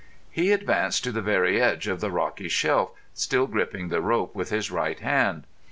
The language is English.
He advanced to the very edge of the rocky shelf, still gripping the rope with his right hand.